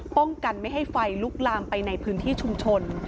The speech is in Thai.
ป้องกันไม่ให้ไฟลุกลามไปในพื้นที่ชุมชน